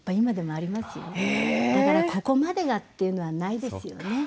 だからここまでがっていうのはないですよね。